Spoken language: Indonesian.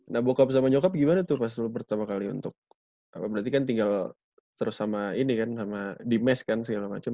nah bokap sama nyokap gimana tuh pas lu pertama kali untuk berarti kan tinggal terus sama ini kan sama dimesh kan segala macem